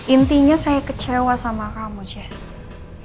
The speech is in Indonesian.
intinya saya kecewa sama kamu jesse